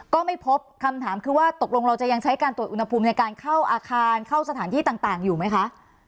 ก็ไม่พบคำถามคือว่าตกลงเราจะยังใช้การตรวจอุณหภูมิในการเข้าอาคารเข้าสถานที่ต่างอยู่ไหมคะ